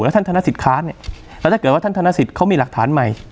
แล้วท่านธนศิษย์ค้าและถ้าเกิดว่าท่านธนศิษย์เขามีหลักฐานใหม่